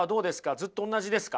ずっとおんなじですか？